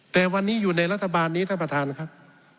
แต่วันนี้อยู่ในรัฐบาลนี้ท่านประธานครับ